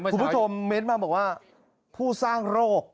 คุณผู้ชมเม้นต์มาบอกว่าผู้สร้างโรค